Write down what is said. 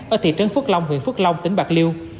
ở thị trấn phước long huyện phước long tỉnh bạc liêu